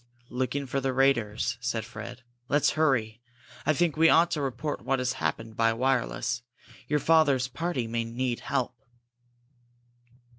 "Looking for the raiders," said Fred. "Let's hurry. I think we ought to report what has happened by wireless. Your father's party may need help."